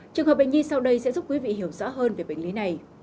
trường hợp bệnh nhi sau đây sẽ giúp quý vị hiểu rõ hơn về bệnh lý này